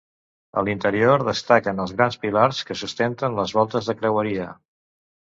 A l'interior destaquen els grans pilars que sustenten les voltes de creueria.